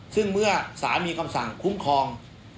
ซึ่งเมื่อสารมีคำสั่งคุ้มครอง